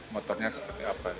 motornya seperti apa